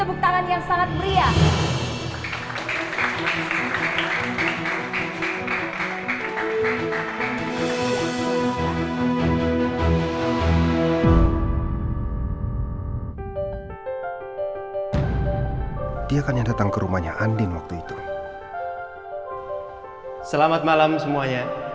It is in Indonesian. orang ditemani merta indah